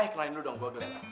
eh kenalin dulu dong gue glen